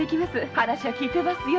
話は聞いていますよ